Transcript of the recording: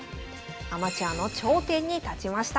アマチュアの頂点に立ちました。